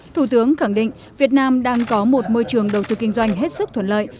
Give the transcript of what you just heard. thủ tướng khẳng định việt nam đang có một môi trường đầu tư kinh doanh hết sức thuận lợi